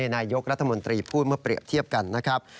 นายกรัฐมนตรีพูดเมื่อเปรียบเทียบกันนะครับ